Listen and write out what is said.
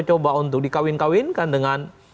coba untuk dikawinkan dengan